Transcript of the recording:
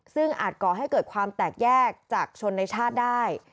ซึ่งอาจก่อให้เกิดความแตกแยกจากชนในชาติได้